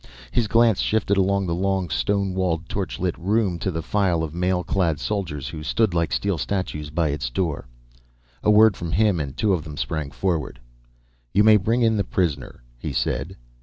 His glance shifted along the long stone walled, torchlit room to the file of mail clad soldiers who stood like steel statues by its door. A word from him and two of them sprang forward. "You may bring in the prisoner," he said.